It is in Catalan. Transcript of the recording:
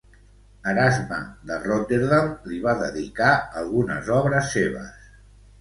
Erasme de Rotterdam li va dedicar algunes obres seves.